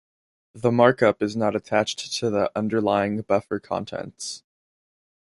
The markup is not attached to the underlying buffer contents.